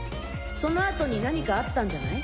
その後に何かあったんじゃない？